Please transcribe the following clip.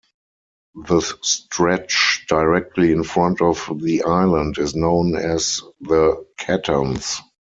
The stretch directly in front of the island is known as the Catterns.